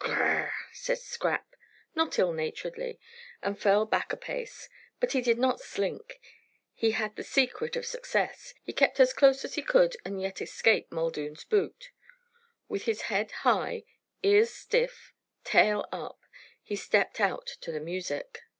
"Gr r r r!" said Scrap, not ill naturedly, and fell back a pace. But he did not slink. He had the secret of success. He kept as close as he could and yet escape Muldoon's boot. With his head high, ears stiff, tail up, he stepped out to the music.